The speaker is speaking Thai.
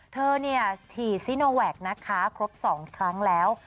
เธอเนี่ยฉีดซิโนแวคนะคะครบ๒ครั้งแล้ว